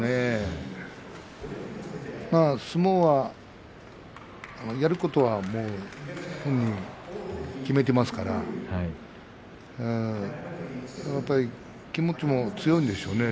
まあ、相撲はやることは本人は決めていますからやっぱり気持ちも強いんでしょうね。